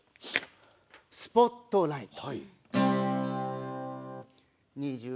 「スポットライト」。